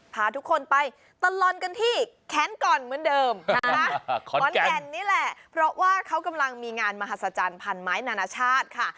พาทุกคนไปตลอดกันที่แค้นก่อนเหมือนเดิมนะคะขอนแก่นนี่แหละเพราะว่าเขากำลังมีงานมหัศจรรย์พันไม้นานาชาติค่ะ